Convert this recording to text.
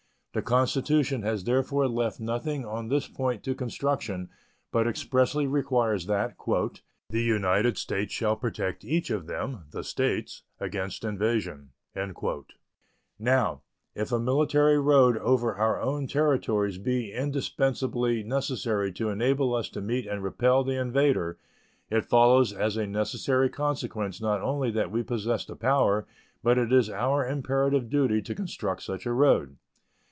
The Constitution has therefore left nothing on this point to construction, but expressly requires that "the United States shall protect each of them [the States] against invasion." Now if a military road over our own Territories be indispensably necessary to enable us to meet and repel the invader, it follows as a necessary consequence not only that we possess the power, but it is our imperative duty to construct such a road.